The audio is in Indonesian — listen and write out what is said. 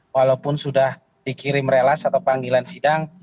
walaupun sudah dikirim relas atau panggilan sidang